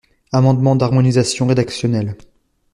Amendement d’harmonisation rédactionnelle.